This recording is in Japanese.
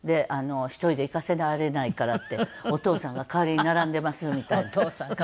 １人で行かせられないからってお父さんが代わりに並んでますみたいな。